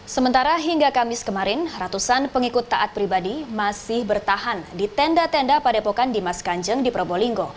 sementara hingga kamis kemarin ratusan pengikut taat pribadi masih bertahan di tenda tenda padepokan dimas kanjeng di probolinggo